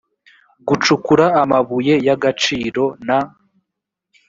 gucukura amabuye y agaciro na